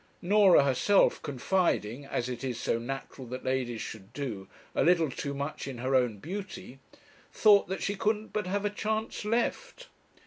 Norah herself, confiding, as it is so natural that ladies should do, a little too much in her own beauty, thought that she couldn't but have a chance left.